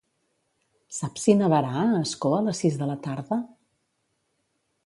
Saps si nevarà a Ascó a les sis de la tarda?